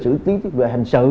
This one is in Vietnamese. sử lý về hành sự